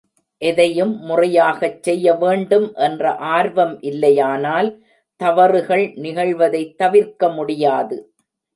எதையும் முறையாகச் செய்யவேண்டும் என்ற ஆர்வம் இல்லையானால் தவறுகள் நிகழ்வதைத் தவிர்க்க முடியாது.